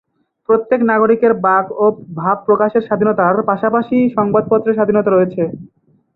প্রত্যেক নাগরিকের বাক ও ভাব প্রকাশের স্বাধীনতার পাশাপাশি সংবাদপত্রের স্বাধীনতা দিয়েছে।